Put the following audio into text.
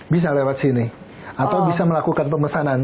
bisa lewat sini atau bisa melakukan pemesanan